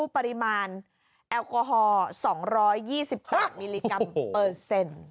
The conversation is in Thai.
เปอริชกรรมเปอร์เซ็นต์